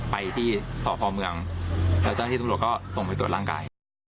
ไปที่สพเมืองแล้วเจ้าที่ตำรวจก็ส่งไปตรวจร่างกาย